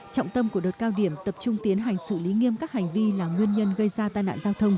trọng tâm của đợt cao điểm tập trung tiến hành xử lý nghiêm các hành vi là nguyên nhân gây ra tai nạn giao thông